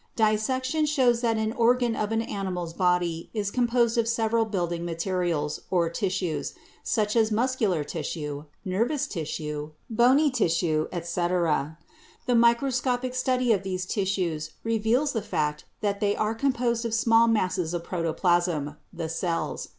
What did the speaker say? Dissection shows that an organ of an animal's body is composed of several building materials, or tissues, such as muscular tissue, nervous tissue, bony tissue, etc. The microscopic study of these tissues reveals the fact that they are composed of small masses of protoplasm —■ the cells.